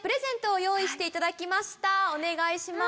お願いします。